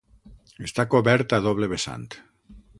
Està cobert a doble vessant.